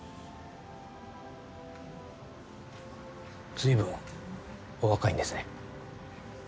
随分お若いんですね。